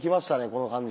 この感じ。